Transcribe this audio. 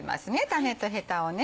種とヘタをね。